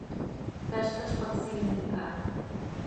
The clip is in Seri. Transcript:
Caztaz pac siimen caha.